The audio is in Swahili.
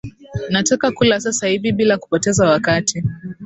Nataka kula sasa hivi bila kupoteza wakati